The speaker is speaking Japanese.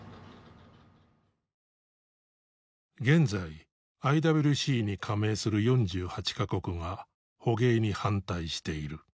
現在ＩＷＣに加盟する４８か国が捕鯨に反対している。